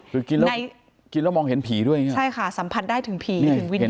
คือกินแล้วกินแล้วมองเห็นผีด้วยอย่างนี้ใช่ค่ะสัมผัสได้ถึงผีถึงวิญญาณ